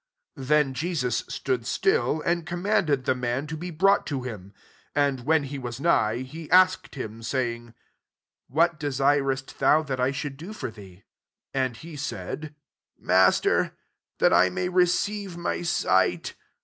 '' 40 Then Jesus stood still, and commanded the man to be brought to him : and, when he was nigh, he asked him, 41 say ing, " What desirest thou that I should do for thee ?" And 144 LUKE XIX. he said, <* Master, that I may receive my sight."